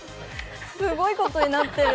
すごいことになってる。